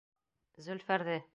Зөлфәрҙе!